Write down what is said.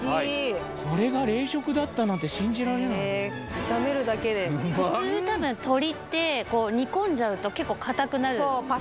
これが冷食だったなんて信じられないへえ炒めるだけでうまったぶん鶏って煮込んじゃうと結構かたくなるんですよ